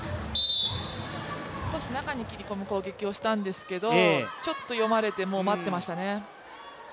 少し中に切り込む攻撃をしたんですけどちょっと読まれて、もう待ってましたね。